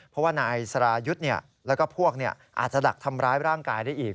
เพราะว่านายสรายุทธ์แล้วก็พวกอาจจะดักทำร้ายร่างกายได้อีก